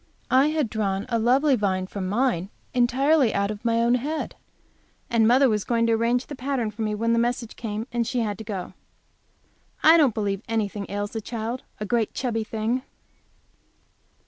I had drawn a lovely vine for mine entirely out of my own head, and mother was going to arrange the pattern for me when that message came, and she had to go. I don't believe anything ails the child! a great chubby thing!